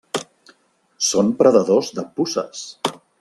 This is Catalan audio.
Són predadors de puces.